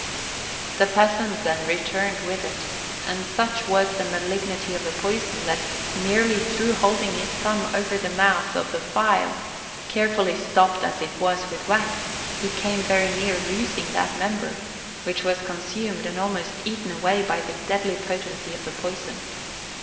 The peasant, then, returned with it; and such was the malignity of the poison, that, merely through holding his thumb over the mouth of the phial, carefully stopped as it was with wax, he came very near losing that member, which was consumed and almost eaten away by the deadly potency of the poison.